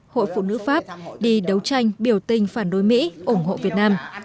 hội phụ nữ pháp đi đấu tranh biểu tình phản đối mỹ ủng hộ việt nam